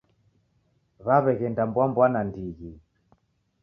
W'aw'eghenda mboa mboa nandighi